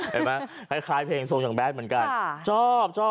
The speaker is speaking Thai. เห็นมะคล้ายเพลงส่วนงล์แบดเงี่ย